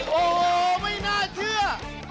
โอ้โหไม่น่าเชื่อ